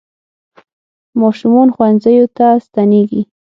ماشومان ښوونځیو ته ستنېږي.